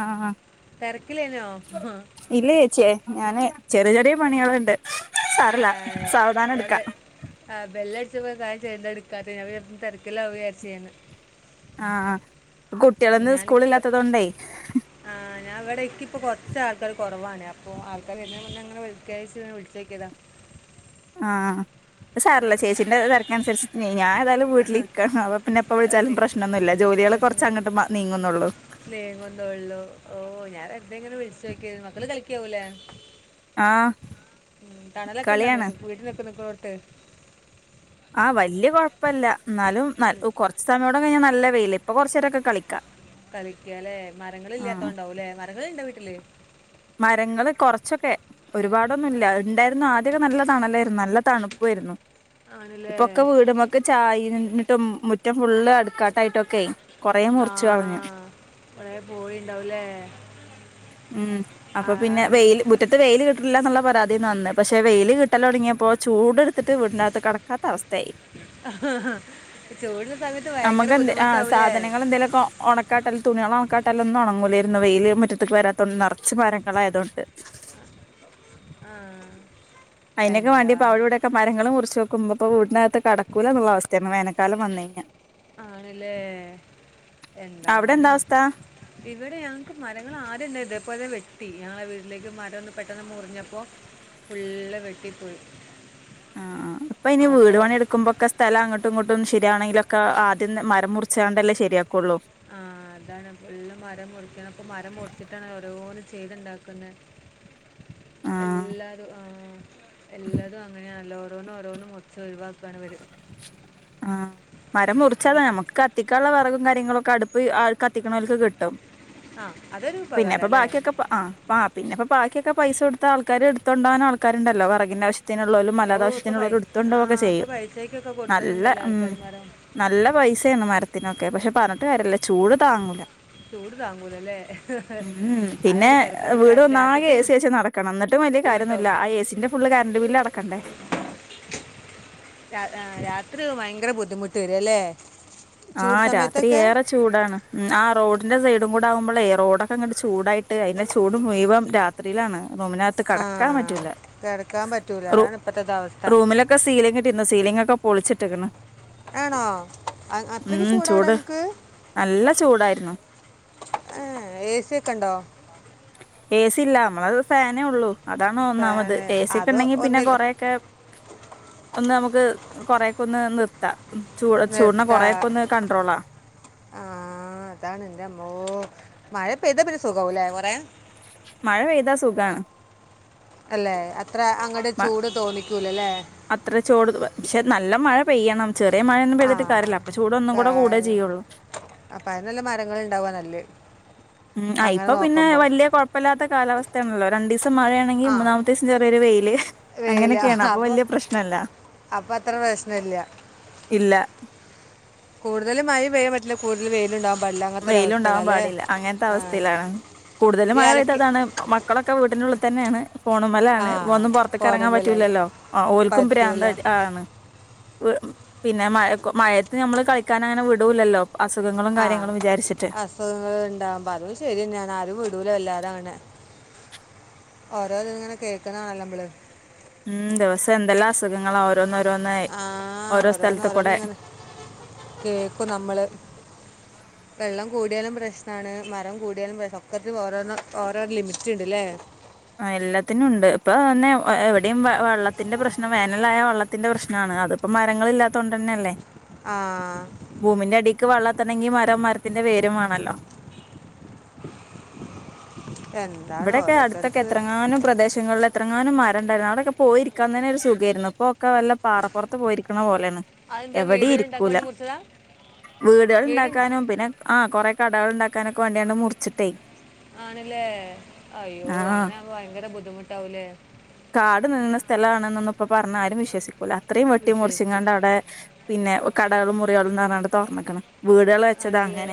ആ തിരക്കില്ലേനോ ഇല്ലചേച്ച്യെ ഞാന് ചെറിയ ചെറിയ പണികളുണ്ട് ആ സാരല്ല സാവധാനം എടുക്കാം ഞ ആ ബെല്ല ചപ്പോ വിചാരിച്ചു എന്ത എടുക്കാത്തെന്ന് അപ്പ ഞാൻ തെരക്കിലാവു ചാര്‌ച്ച് ആ ആ കുട്ടികളൊന്ന് സ്കൂളില്ലത്തൊതെണ്ടേ ഞൻ അവിടെക്ക് ഇപ്പൊ കുറച്ച ആൾക്കാര് കുറവാണ് അപ്പൊ ആൾക്കാർ എന്നെ മുന്നെങ്ങനെവിളിക്കായിട്ട് വിളിച്ചോക്കിയതാ ആ അത് സാറില്ല ചേച്ചിന്റെ തെരക്കനുസരിച്ച് ഞാൻ ഏതാലും വീട്ടിലിക്കാണ് വ പ്പിന്ന എപ്പ വിളിച്ചാലും ഒരു- പ്രശ്നമൊന്നുമല്ല ജോലികളെ വിഷമം കൊറച്ച്ങ്ങട്ട് മ നീങ്ങുന്നുള്ളു തേങ്ങനെ വിളിച്ചോക്കയ്നി മക്കള് കളി യ്കാവൂലെ ആഹ് തണലൊക്കെ ഉണ്ട കളിയാണ് വീട്ടിലൊക്കെ നിക്ക് ത് ആ വല്യ കൊഴപ്പല്ല എന്നാലും ന കൊറച്ച് സമയ കഴിഞ്ഞാ നല്ല വെയില് ഇപ്പൊ കൊറച്ച് രൊക്കെ ക്കളിക്കാം കളിക്കാല്ലെ മരങ്ങളില്യാത്തണ്ടാവുംല്ലേ മരങ്ങള ഇണ്ടോ വീട്ടില് മരങ്ങള് കൊറച്ചൊക്കെ ഒരുപാടൊന്നും ഇല്ല ണ്ടായിരുന്നു ആദ്യ നല്ല തണലായിരുന്നു നല്ല തണുപ്പൂവായിരുന്നു ഇപ്പൊക്കെ ആണല്ലേ വീടുമ്മേക്ക് ചായ്ന് മുറ്റം ഫുള്ള് അടുക്കാട്ടായിട്ടൊക്കെ കൊറേ മുറിച്ചു കളഞ്ഞു ആഹ് കൊറേ പോയിണ്ടാവല്ലേ ഉം അപ്പൊ പിന്നെ വെയില് മുറ്റത്ത് വെയില് കിട്ടില്ല എന്നുള്ള പരാതിന്ന് വന്നു പക്ഷെ വെയില് കിട്ടല്ലോടങ്ങിയ പോ ചൂടെട്ത്തിട്ട് വീടനകത്ത് കടക്കാത്ത അവസ്ഥയായി ചൂടുള്ള സമയത്ത് ഭയങ്കര നമക്ക് എന്തേ ആ ബുദ്ധിമുട്ടാവൂലേ സാധനങ്ങൾ എന്തേലൊക്ക ഒണക്കാട്ടാല് തുണികള [unintelligible] ഉണങ്ങൂലേരുന്നു വെയിൽ മുറ്റത്തേക്ക് വരാത്തൊണ്ട് നിറച്ച് മര ളായതോണ്ട് ആഹ് അയ്നക്കെ വേണ്ടിപ്പോ എന്താണ് അവിടെ ഇവ്‌ടെക്കെ മരങ്ങള് മുറിച്ചു വെക്കുമ്പോ ഇന്നിപ്പോ വീടിനകത്ത് കെടക്കൂലന്നുള്ള അവസ്ഥയാണ് മെന തല മണ്ണയ്ഞ ആണ്ല്ലേ. അവിടെ എന്താണ് എന്താ അവസ്ഥ ഇവടെ ഞങ്ങക്ക് മരങ്ങളാദ്യം ണ്ടാര്ന്നില്ല ഇപ്പൊതെ വെ ട്ടി ഞങ്ങളെ വീട്ടിലേക്ക് മരൊന്ന് പെട്ടെന്ന് മുറിഞ്ഞപ്പോ ഫുള്ള് വെട്ടി പോയി ആഹ് ആഹ് അപ്പ ഇനി വീട് പണി എടുക്കുമ്പൊക്കെ സ്ഥലം അങ്ങട്ടും ഇങ്ങട്ടും ട്ടും ശരിയാണെങ്കിലൊക്കെ ആദ്യം മരം മുറിച്ചാണ്ടല്ലേ ശരിയാ ആഹ് അതാണ് ഫുള്ള് മരം മുറിക്കണം ഇപ്പ മരം മുറിച്ചിട്ടാണ് ഓരോര് ചെയ്തുണ്ടാക്കുന്നെ. ആഹ് എല്ലാതും ആഹ് എല്ലതും അങ്ങനെയാണല്ലൊ ഓരോന്നും ഓരോന്നും മുർച്ച് ഒഴിവാക് ആ മരം മുറിച്ചതാ ഞമ്മക്ക് കത്തിക്കാള്ള വെറക കാര്യങ്ങളൊക്കെ അടുപ്പ് കത്തിക്കണോൽക്ക് കിട്ടും ആ അതൊരു ഉപകാരം പിന്നെപ്പൊ അല്ലേ ബാക്കിയൊക്കെ ആഹ് ആഹ് പിന്നെപ്പോ ബാക്ക്യോക്കെ പൈസ കൊട്ത്താ ആൾക്കാര് ട്ത്തോണ്ടവനാൾക്കാരുണ്ടല്ലോ വെറകിനാവശ്യ - ത്തിനുള്ളോലും ഓ ഇപ്പോൾ പൈസ മല്ലാതാവിഷ്യത്തിനുള്ളോലും ആ ഇട്തൊണ്ടോ ഒക്കെ ഇപ്പോൾ ചെയ്യും പൈസയ്ക്കൊക്കെ നല്ല കൊടുക്കുന്നുണ്ടല്ലോ ഉം ആൾക്കാർമാരോ നല്ല പൈസയാണ് മരത്തിനൊക്കെ പക്ഷെ പറഞ്ഞ ഇട്ട വരല്ലേ ചൂട് താങ്ങൂല ചൂട് താങ്ങൂലല്ലേ ഉം പിന്നെ അതാണ് കിടക്കുമ്പോൾ വീട് രാത്രി ഒന്നാകെ രാത്രത്തെ എ സി വെച്ച് നടക്കണം എന്നിട്ടും വലിയ ബുദ്ധിമുട്ടോ കാര്യൊന്നുംല്ല ആ ഏ സീന്റെ ഫുള്ള് കറണ്ട് ബില്ല് അടക്കണ്ടേ? രാ രാത്രി ഭയങ്കര ബുദ്ധിമുട്ട് വരുംഅല്ലേ ആ രാത്രി ഏറെ ചൂടാണ് ഉ. ആ റോഡ് ന്റെ സൈഡും കൂടെ ആകുമ്പോൾ റോഡൊക്കെ അങ്ങട് ചൂടായിട്ട് അയിന്റെ ചൂട് മുയ്‌വനും രാത്രീലാണ്. റൂമിനകത്ത് ആ കടക്കാൻ പറ്റൂല്ല കിടക്കാൻ പറ്റൂല റൂ അതാണ് ഇപ്പോഴത്തെ അവസ്ഥ റൂമിലൊക്കെ സീലിംഗിട്ടിരുന്നു സീലിംഗ് ഒക്കെ പൊളിച്ചിട്ടെക്ക്ണ് ആണോ അത്രയ്ക്ക് ചൂടാവിടെ ചൂട് ങ്ങക്ക് നല്ല ചൂടായിരുന്നു ഏഹ് ഏ സി ഒക്കെ ഉണ്ടോ? ഏ സി ഇല്ല നമ്മളത് ഫാനേ ഉള്ളു. അതാണ് ഒന്നാമത് പിന്നെ ഏ സി ഒക്കെ അത് ഉണ്ടെങ്കി പിന്നെ ഒന്നിൽ കൊറേക്കെ ഒന്ന് നമുക്ക് കൊറേക്കൊന്ന് നിർത്താം. ചൂട് ചൂടിനെ നിർത്ത കൊറെയൊക്കെ ഒന്ന് കൺട്രോളാ ആഹ് അതാണ് എന്റ അമ്മോ മഴ പെയ്താ പിന്നേ സുഖാവൂലെ ല്ലേ കൊറേ മഴ പെയ്താ സുഖാണ് അല്ലെ അത്ര അങ്ങടെ മ ചൂട് തോന്നിക്കും. ക്കൂലല്ലേ അത്ര ചോട് ഷെ നല്ല മഴ പെയ്യണം ചെറിയ മഴയൊന്നും ആ പെയ്തിട്ട് കാര്യല്ല അപ്പൊ ചൂട് ഒന്നുകൂടെ കൂടെ കാ- ചെയ്യുള്ളൂ അപ്പം അത് നല്ല മരങ്ങൾ ഉണ്ടാവുക നല്ല ഉം ആ അങ്ങനെ ഇപ്പൊ പിന്നെ നോക്കുമ്പോൾ വലിയ കുഴപ്പമല്ലാത്ത കാലാവസ്ഥയാണല്ലോ രണ്ടു ദിവസം ആ മഴയാണെങ്കിൽ മൂന്നാമത്തെ ദിവസം ചെറിയൊരു വെയില് വെയില അങ്ങനൊക്കെയാണ് അപ്പൊ അപ്പോൾ വലിയ പ്രശ്നല്ല അപ്പോൾ അത്ര പ്രശ്നമില്ല ഇല്ല കൂടുതൽ മഴ പെയ്യാൻ പറ്റില്ല കൂടുതൽ വെയിലുണ്ട വെയിലുണ്ടാവാൻ പാടില്ല അങ്ങനത്തെ അവസ്ഥയിലാണ് കൂടുതല് ഈ മഴ അലക്കി പെയ്തതാണ് മ മക്കളൊക്ക വീട്ടിനുള്ളിൽ തന്നെയാണ് ഫോണും ആ മേലാണ് ഒന്നും പുറത്തേക്ക് ഇറങ്ങാൻ ഓടുമ്പില്ലല്ലോ പറ്റൂലല്ലോ ആ ഓർക്കും പ്രാന്ത പറ്റൂല ആ ആണ് പിന്നെ മഴ മഴത്ത് ഞമ്മള് കളിക്കാൻ അങ്ങനെ വിടൂല്ലല്ലോ അസുഖങ്ങളും ആ കാര്യങ്ങളും അസുഖങ്ങൾ ഉണ്ടാകുമ്പോ അതും ശരി തന്നെ ആണ് ആരും വിടുല എല്ലാരും [unintelligible] ഓരോ ഇത് ഇങ്ങനെ കേക്കുന്നാണല്ലോ നമ്മള് ഉം ദിവസം എന്തെല്ലാം അസുഖങ്ങള ഓരോന്ന് ഒ ആഹ് ഓരോന്ന് ഓരോന്ന് ഇങ്ങനെ കേക്കും നമ്മള് വെള്ളം കൂടിയാലും പ്രശ്നമാണ് മരം കൂടിയാലും ഒക്കക്കെ ഓരോരോ ഓരോ ലിമിറ്റ് ഉണ്ട്ല്ലേ ആ എല്ലാത്തിനുണ്ട് ഇപ്പൊ തന്നെ എവിടെയും വെ വെള്ള ത്തിന്റെ പ്രശ്നം വേനലായാ വെള്ളത്തിന്റെ പ്രശ്നമാണ് അതിപ്പം മരങ്ങളില്ലാത്ത കൊണ്ട് തന്നെയല്ലേ ആ ഭൂമിന്റെ അടിക്ക് വെള്ള [unintelligible] ന്റെ വേരും വേണമല്ലോ എന്താണ് ഇവിടെക്കെ അടു ഓരോരുത്തർക്ക് എത്രങ്ങാനും പ്രദേശങ്ങളിൽ എത്രങ്ങാനും മ ആണ്ടായിരുന്നു അവിടൊക്ക പോയിരിക്കാൻ തന്നെ ഒരു സുഖമായിരുന്നു അപ്പോ ക്കെ വല്ല പാറപ്പുറത്ത് പോയിരിക്കണ പോലെയാണ് അതിൻ്റെ എവിടേം വീടിനുണ്ടാക്കാൻ ഇരിക്കൂല വേണ്ടി മുറിച്ചതാ വീടുകൾ വീടുണ്ട് ഉണ്ടാക്കാനും പിന്നെ ആ കൊറെക്ക [unintelligible] ഉണ്ടാക്കാനൊക്കെ വേണ്ടിയാണ് മുറിച്ചിട്ടേ ആണല്ലേ അയ്യോ ആ അങ്ങനാവുമ്പോ ഭയങ്കര ബുദ്ധിമു [unintelligible] കാട് നിന്ന സ്ഥലം ആണെന്ന് ഒക്കെ ഇപ്പോ പറഞ്ഞ ആരും വിശ്വസിക്കൂല അത്രയും വെട്ടി വിഷയ്ക്ക് മുറിച്ചിങ്ങാണ്ട് അവിടെ പിന്നെ കടകളും മുറികളുംന്ന് പറഞ്ഞാണ്ട് തൊർന്ന്ക്കണ് ആണല്ലേ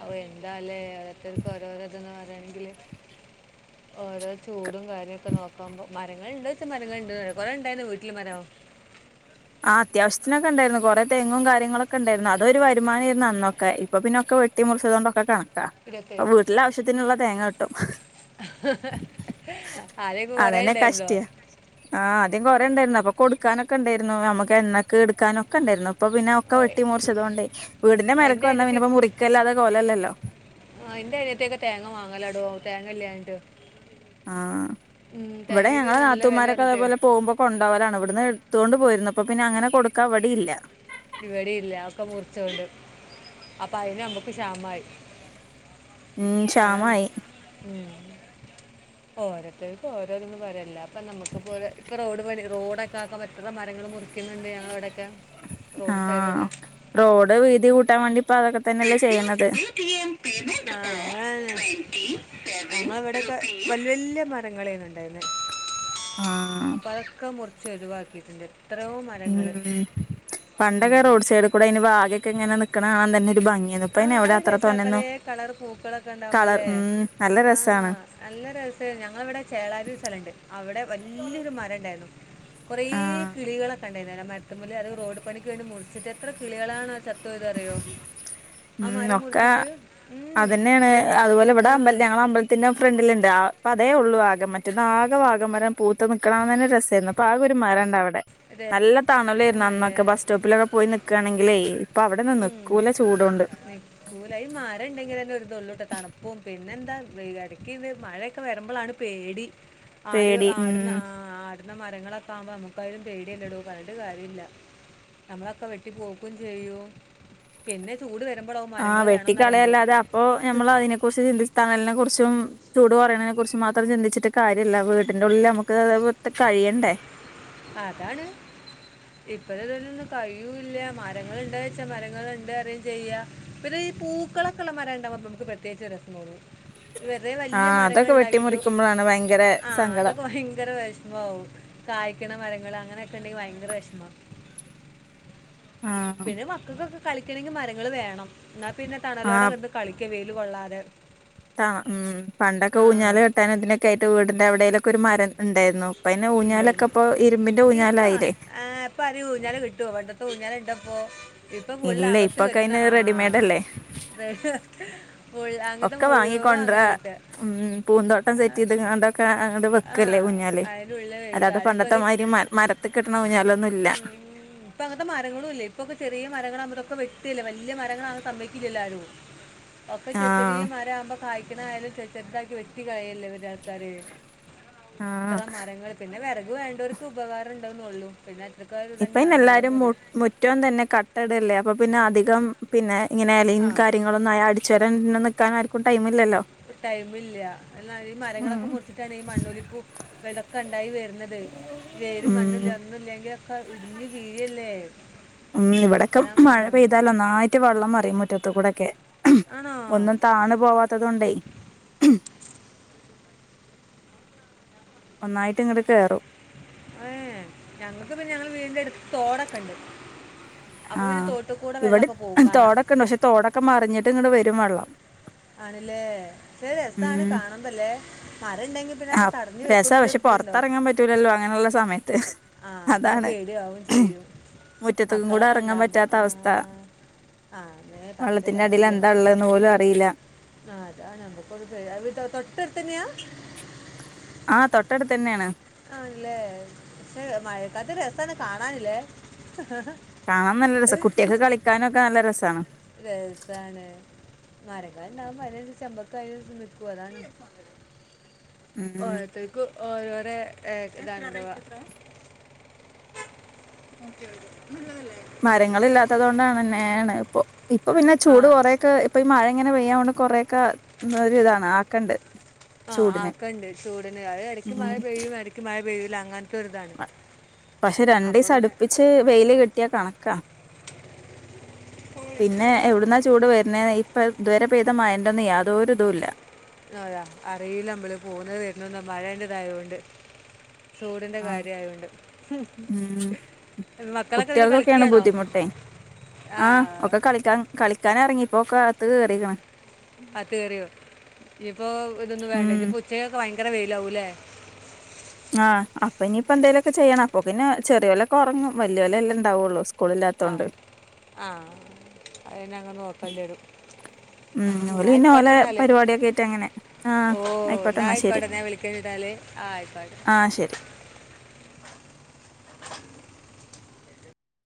അ എന്താല്ലേ ഓരോർത്തർക്ക് ഓരോരോ ഇതൊന്നും എങ്കില് ഓരോ ചൂടും കാര്യക്കെ നോക്കുമ്പോ മരങ്ങൾ ഉണ്ട്ച്ച മരങ്ങൾ ഉണ്ട് കൊറെ ഇണ്ടായിന്ന് വീട്ടില് മരം ആ അത്യാവശ്യത്തിനൊക്കെ ഉണ്ടായിരുന്നു കുറെ തെങ്ങും കാര്യങ്ങളൊക്കെ ഉണ്ടായിരുന്നു അതൊരു വരുമാനമായിരുന്നു അന്നൊക്കെ ഇപ്പൊ പിന്നൊക്കെ വെട്ടി മുറിച്ചതുകൊണ്ടൊക്കെ കാണ ഇവിടെയൊക്കെ അപ്പൊ വീട്ടിലെ ആവശ്യത്തിനുള്ള തേങ്ങ കട്ടും ആദ്യമൊക്കെ കുറേ അതന്നെ ഉണ്ടായിരുന്നോ കഷ്ടിയ ആ ആദ്യം കൊറേ ഉണ്ടായിുന്ന അപ്പൊ കൊടുക്കാനൊക്കെ ഉണ്ടായിരുന്നു നമുക്ക് എണ്ണക്കക്ക് എടുക്കാനൊക്കെ ഉണ്ടായിരുന്നു അപ്പൊ പിന്നെ ഒക്ക ഓ വെട്ടി മുറിച്ചതുകൊണ്ട് വീടിന്റെ മേലേക്ക് എൻ്റെ വന്നാ പിന്നെപ്പോമുറിക്ക അല്ലാതെ പോവില്ലല്ലോ അല്ലാതെലല്ലോ ആ എന്റെ അനിയത്തി ഒക്കെ തേങ്ങ വാങ്ങലാടോ തേങ്ങ ഇല്ലാഞ്ഞിട്ട് ആ ഇവിടെ തേങ്ങയ്ക്ക് ഞങ്ങള് നല്ല വില നാത്തൂമാരൊക്കെ പറഞ്ഞിട്ട് അതേപോലെ പോകുമ്പോ കൊണ്ടപോകലാണ് ഇവിടുന്ന് എടുത്തോണ്ട് പോയിരുന്നു അപ്പൊ പിന്നെ അങ്ങനെ കൊടുക്ക അവിടെ ഇല്ല ഇവിടെയില്ല ഒക്കെ മുറിച്ചോണ്ട് അപ്പ അയിന് നമ്മുക്ക് ക്ഷാമമായി. ഉം ശ്യാമായി ഓരോത്തർക്ക് ഓരോതന്നും പറയല്ല ഇപ്പ നമുക്ക് പോലെ ഇപ്പം റോഡ് പണി റോഡ് ഇവിടെയൊക്കെ ആക്കാൻ പറ്റുന്ന മരങ്ങള് മുറി മുറിക്കുന്നുണ്ട് ഞങ്ങളവിടൊക്കെ ആ റോഡ് വീതി കൂ കൂട്ടാൻ വേണ്ടി ഇപ്പ അതൊക്കെ തന്നെയല്ലേ റിസിവ്ഡ് ചെയ്യണത് Paytm payment of rupees twenty നമ്മ അവിടൊക്കെ വല്യ വല്യ മരങ്ങളായിരുന്നു ഉണ്ടായിരുന്നെ ആഹ് അപ്പൊ അതൊക്കെ മുറച്ച് ഒഴവാക്കിട്ടുണ്ട് ഉം പണ്ടൊക്കെ ഉം റോഡ് സൈഡിൽ കൂടെ അതിന് വാതുക്കെ ഇങ്ങനെ നിക്കണ കാണാൻ തന്നെ ഒരു ഭംഗിയായിരുന്നു ഇപ്പ ആ അയിന് എവിടെ അത് അത്ര രസ പലെ തോനെന്നും കളർ പൂക്കളൊക്കെ കളർ ഉണ്ടാവുമ്പോല്ലേ. ഉം നല്ല ആ രസാണ് നല്ല രസ. ഞങ്ങളിവിടെ ചേളാബി സ്ഥലമുണ്ട് അവിടെ വല്യയൊരു മരം ഉണ്ടായിരുന്നു. കൊറേ ആഹ് കിളികളൊ കണ്ട നേരം മരത്തുമല്ല അത് റോഡ് പണിക്ക് വേണ്ടി മുറിച്ചിട്ട് എത്ര കിളികളാണ് ചത്തോയതതെന്നറിയോ ഉം ഒക്കെ ഉം അത് തന്നെയാണ് ന്ന് അതുപോലെ ഇവിടെ അമ്പല ആഹ് ഞങ്ങടെ അമ്പലത്തിന്റെ ഫ്രണ്ടിലുണ്ട് അപ്പ അതേ ഉള്ള ആകെ മറ്റ ആകെ വാഗമരം പൂത്ത് നൽക്കണ തന്നെ ഒരു രസായിരുന്നു അപ്പൊ ആക ഒരു മരണ്ടവിടെ അതെ നല്ല തണലായിരുന്നു അതന്നല്ലേ അന്നൊക്കെ ബസ് സ്റ്റോപ്പിലൊക്കെ പോയി നിക്കുകവാണെങ്കിലേ ഉം നിക്കൂലായി മാരംണ്ടെങ്കിലല്ലെ ഒരുതൊള്ളൂട്ട തണുപ്പവും പിന്നെന്താ ഇടക്ക് ഇത് മഴയൊക്കെ വരുമ്പോഴാണ് പേടി ആട് പേടി ഉം ആടുന്ന ആ [unintelligible] മരങ്ങളൊക്കെകുമ്പോ നമ്മുക്ക് എപ്പഴും പേടി തന്നെടോ പറഞ്ഞിട്ട് കാര്യമില്ല നമ്മൊക്കെ വെട്ടി പോക്കും ചെയ്യും പിന്നെ ചൂട് വെ ആ വെട്ടിക്കളയല്ലാതെ അപ്പൊ നമ്മൾ അതിനെ കുറിച്ച് ചിന്തി തണലിനെ കുറിച്ചും ചൂട് പറയണതിനെ കുറിച്ചും മാത്രം ചിന്തിച്ചിട്ട് കാര്യമില്ല വീട്ടിന്റെ ഉള്ളിൽ നമുക്ക് അ കഴിയണ്ടേ അതാണ് ഇപ്പഴ ഇതലൊന്നും കഴിയൂല്ല മരങ്ങളുണ്ടായാച്ചാ മരങ്ങൾ ഉണ്ട് അറിയയും ചെയ്യ ഈ പൂക്കളൊക്കൊയുള്ള മരം ഉണ്ടായ നമുക്ക് പ്രത്യേകിച്ചൊരു രസം തോന്നും വെറുതേ വലിയ ആഹ് മരങ്ങൾ അതൊക്കെ ഉണ്ടാക്കിട്ടു വെട്ടിമുറിക്കുമ്പോഴാണ് ഭയങ്കര ആ സങ്കടം അതൊക്കെ ഭയങ്കര വിഷമമാകും കായ് കായ്ക്കണ മരങ്ങള് അങ്ങനെയൊക്കെ ഉണ്ടെങ്കിൽ ഭയങ്കര വിഷമം ആഹ് പിന്നെ മക്കക്കൊക്കെ കളിക്കണമെങ്കിൽ മരങ്ങളൾ വേണം എന്നാ പിന്നെ തണലോട നിന്ന് കളിക്ക വെയിൽ യിൽ കൊള്ളാതെ ആ ഉം പണ്ടൊക്കെ ആ ഊഞ്ഞാലും കെട്ടാൻ ഇതിനൊക്കെയയിട്ട് വീട്ടിൻ്റെ എവിടേലും ആയിട്ട് ഒരു മരം ഉണ്ടായിരുന്നു അയിന് ഊഞ്ഞാലൊക്കെ ഉണ്ടായിതു ഇപ്പൊ ഇരുമ്പിന്റെ ഇപ്പൊ ഊഞ്ഞാലായില്ലേ ഇപ്പ അര് ഊഞ്ഞാല് കെട്ടുവോ പണ്ടത്തെ ഊഞ്ഞാല് തന്നായിരുന്നു പോ ഇപ്പൊ ഫുൾ ഇല്ല അകത്ത് ഇപ്പൊക്കെ കെട്ടുന്ന അയിന് ആ റെഡിമെയ്ഡ് അല്ലേ ആ ഒക്കെ വാങ്ങിക്കൊണ്ടൊര ഉം പൂന്തോട്ടം സെറ്റ് ചെയ്ത്ണ്ടൊക്കെ അങ്ങ് ആ വെക്കല്ലേ ഊഞ്ഞാൽ അതിൻ്റെ ഉള്ളിൽ വെക്കുക അല്ലാതെ അതൊക്കെ പണ്ടത്തെ ഒരു മാതിരി മരത്തിൽ കെട്ടുന്ന ഊഞ്ഞാൽ ഉം ഇപ്പൊ അങ്ങനത്തെ മരങ്ങളും ഇല്ല ഇപ്പൊക്കെ ചെറിയ മരങ്ങളാകുമ്പോ ഇതൊക്കെ വെട്ടി കിട്ടില്ല വലിയ മരങ്ങൾ ആകാൻ സമ്മതി കൂലല്ലോ ആരും ഒക്കെ ആഹ് ചെച്ചടിയമാരാവുമ്പോ കായ്ക്കണായാലും ചെച്ചതാക്കി വെറ്റ കയാലും വെട്ടി കളയല്ലേ ആൾക്കാർ ആഹ് എത്ര മരങ്ങൾ പിന്നെ അത് വേണ്ടവർക്ക് ഉപകാരം ഉണ്ടാവുന്നുള്ളു പിന്നെ അത്രക്കാർ ഇപ്പൊ ഇന്ന തന്നെയാണ് വേറെ എല്ലാരും ഒന്നുമില്ല മുറ്റം തന്നെ കട്ടടല്ലേ അപ്പൊ പിന്നെ അധികം പിന്നെ ഇങ്ങനെ എലോ ആ കാര്യങ്ങളൊന്നും അടിച്ച് വാരാൻ നാർക്കും ടൈം ഇല്ലല്ലോ ടൈമില്ല ഈ ഉം മരങ്ങളൊക്കെ മുറിച്ചിട്ടാണ് ഈ മണ്ണോലിപ്പും ഇതൊക്കെ ഉണ്ടായി വരുന്നത് അത വേരും മണ്ണില്ല ഉം ഒന്നുംല്ല യൊക്കെ ഇടിഞ്ഞു വീഴല്ലേ ഉം ഇവിടൊക്കെ തരാം ആ മഴ പെയ്താല് നന്നായിട്ട് വെള്ളം മറിയും മുറ്റത്ത് കൂടൊക്കെ ആണോ ഒന്നും താണു പോവാത്തതുണ്ടേ ഒന്നായിട്ട് ഇങ്ങട്ട് കയറും ഏ ഞങ്ങക്ക് പിന്നെ ഞങ്ങള വീടിന്റെ അടുത്ത് തോടൊക്കെണ്ട് ആഹ് ഇവിടെ കാണാൻ തോടൊക്കെ ഒണ്ട് പക്ഷെ തോടൊക്കെ മറിഞ്ഞിട്ട് ഇങ്ങ വര രും വള്ളം ആണില്ലേ ചെ രസാണ് ഉം കാണുമ്പല്ലേ മരംണ്ടെങ്കി പിന്നൊക്കെ ആഹ് തടഞ്ഞു രസാ പക്ഷെ വെക്കുംന്നുള്ള പൊറത്തെറങ്ങാൻ പറ്റൂലല്ലോ അങ്ങനെയുള്ള [unintelligible] സമയത്ത് ആഹ് അതാണ് പേടിയാവേം ചെയ്യും മുറ്റത്തക്കും കൂടെ മക്കളക്ക എറങ്ങാൻ ഒണ്ടാവമ്പോ പറ്റാത്ത അവസ്ഥ ആഹ് ആന്നേ പറഞ്ഞിട്ട് വെള്ളത്തിന്റെ അടിയിൽ കാര്യമില്ല എന്താ ഉള്ളതെന്ന് പോലും അറിയില്ല ആ അതാണ് നമ്മുക്ക്‌ ഒരു പേടി തൊട്ടടുത്തന്നെയ ആഹ് തൊട്ടടുത്ത് തന്നെയാണ് ആണല്ലേ പക്ഷെ മഴക്കാലത്ത് രസാണ് കാണാനില്ലേ കാണാൻ നല്ല രസം കുട്ടികക്ക് കളിക്കാനും ഒക്കെ നല്ല രസ സാണ് രസാണ് മരങ്ങളുണ്ടാകുമ്പോ അതിനനുസരിച്ചു ഞമ്മക്ക് നിക്കൂ അതാണ് ഉം ഓരോതക്കും ഓരോരോ ഏഹ് ഇത് എന്താവാ മരങ്ങളില്ലാത്തതുകൊണ്ടാണ് ന്നെയാണ് ഇപ്പോ ഇപ്പൊ പിന്നെ ആ ചൂട് കൊറേക്കെ ഇപ്പൊ ഈ മഴ ഇങ്ങനെ പെയ്യ കൊണ്ട് കൊറെയോക്കെ മ് ഒരു ഇതാണ് ആക്കണ്ട് ആഹ് ചൂടിന് ആക്കണ്ട് ചൂടന് ആ എടയ്ക്ക് മഴ പെയ്യും എടക്ക് മഴ പെയ്യ ല്ല അങ്ങനെ പഷെ രണ്ടിസം പിന്നെ അടുപ്പിച്ച് വെയിൽ കിട്ടിയാ കണക്കാ പിന്നെ എവിടുന്നാ ചൂട് വരുന്നേ ഇപ്പോ ഇതുവരെ പെയ്തെന്റെ യാതൊരു ഇതും ഇല്ല അതാ അറിയില്ല മ്മള് പൊന്നെതും വരുന്നേതും മഴെന്റെ ഇത് ആയോണ്ട് ചൂടിന്റെ കാര്യ ആയൊണ്ട് ഉം മക്കളൊക്കെ ന്നിട്ട് കുട്ടികൾക്കൊക്കെയാണ് കളിക്കാണോ ബുദ്ധിമുട്ടേ ആഹ് ഇപ്പോക്കെ അകത്തുകേറിക്കണ് അത്ത് കേറിയോ ഇനിപ്പോ ഇതൊന്നും വേണ്ട ഉം ഇനി ഉച്ചയൊക്കെ ഭയ ങ്കര വെയിലാവൂല്ലേ ആഹ് അപ്പ ഇനിപ്പോ എന്തേലൊക്കെ ചെയ്യണം അപ്പൊ പിന്നെ ചെറിയോലോക്കെ ഒറങ്ങും വല്യ യോലലെ ഉണ്ടാവോള്ളൂ സ് ആഹ് ആഹ് [unintelligible] ഉമ് ഓല് പിന്നെ ഓലെ പരിപാടിയൊക്കെയിട്ട് അങ്ങനെ ആഹ് ഓ ആയിക്കോട്ടെ എന്നാ ശരി ഞാൻ വിളിക്കാൻ കിട്ടാൽ. ആ ആയിക്കോട്ടെ ആഹ് ശരി